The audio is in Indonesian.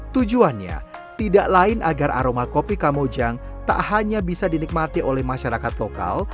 tujuannya tidak lain agar aroma kopi kamojang tak hanya bisa dinikmati oleh masyarakat lokal